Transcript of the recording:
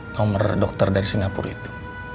nomor dokter dari singapura itu